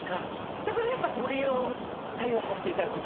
だからやっぱ鳥を採用させていただきました。